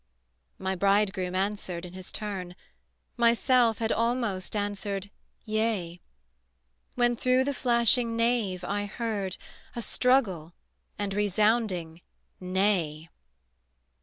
My bridegroom answered in his turn, Myself had almost answered "yea": When through the flashing nave I heard. A struggle and resounding "nay."